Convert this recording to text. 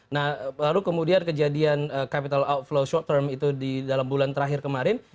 tiga puluh empat ratus nah baru kemudian kejadian capital outflow short term itu di dalam bulan terakhir kemarin